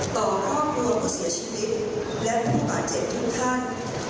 ต่อร่วงรวมผู้เสียชีวิตและผู้ป่าเจ็บทุกท่าน